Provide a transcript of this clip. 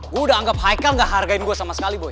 gua udah anggap haikal gak hargain gua sama sekali boy